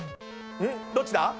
どっちだ？